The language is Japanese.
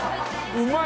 うまい！